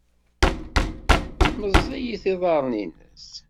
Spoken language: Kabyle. Meẓẓiyit yiḍarren-nnes.